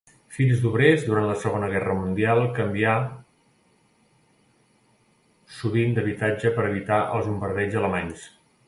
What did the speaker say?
Fill d'obrers, durant la Segona Guerra Mundial canvià sovint d'habitatge, per evitar els bombardeigs alemanys.